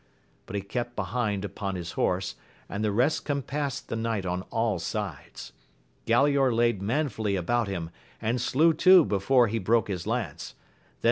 but he kept behind upon his horse, and the rest compassed the knight on all sides. Galaor laid manfully about him, and slew two before he biok^ Viia \ajCL^^\ >i5wea.